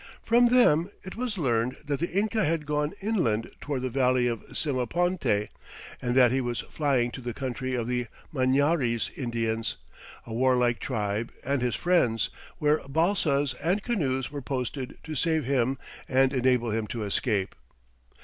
From them it was learned that the Inca had "gone inland toward the valley of Simaponte; and that he was flying to the country of the Mañaries Indians, a warlike tribe and his friends, where balsas and canoes were posted to save him and enable him to escape."